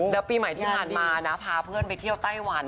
แล้วปีใหม่ที่ผ่านมานะพาเพื่อนไปเที่ยวไต้หวัน